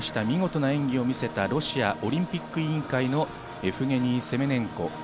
見事な演技を見せたロシアオリンピック委員会のエフゲニー・セメネンコ。